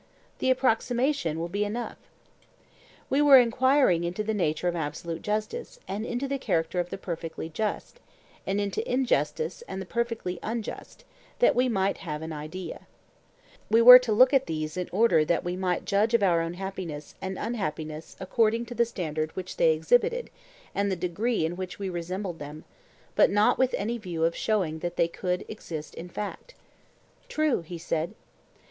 The approximation will be enough. We were enquiring into the nature of absolute justice and into the character of the perfectly just, and into injustice and the perfectly unjust, that we might have an ideal. We were to look at these in order that we might judge of our own happiness and unhappiness according to the standard which they exhibited and the degree in which we resembled them, but not with any view of showing that they could exist in fact. True, he said.